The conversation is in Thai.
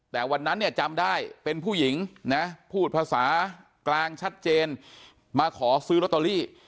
แต่วันนั้นเนี่ยจำได้เป็นผู้หญิงนะพูดภาษากลางชัดเจนมาขอซื้อลอตเตอรี่